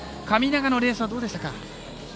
神長のレースはどうでしたか？